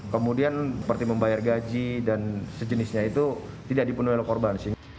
kemudian seperti membayar gaji dan sejenisnya itu tidak dipenuhi oleh korban